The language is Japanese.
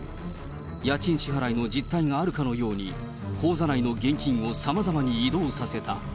家賃支払いの実態があるかのように、口座内の現金をさまざまに移動させた。